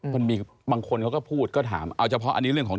บางคนเขาก็พูดเอาเฉพาะอันนี้เรื่องของ